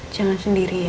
jangan sendiri ya